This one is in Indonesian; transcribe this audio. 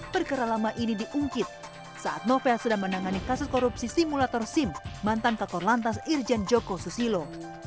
perkara lama ini diungkit saat novel sedang menangani kasus korupsi simulator sim mantan kakor lantas irjen joko susilo